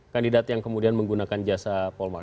kandidat yang kemudian menggunakan jasa polmar